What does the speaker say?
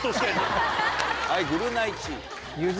はい「ぐるナイチーム」。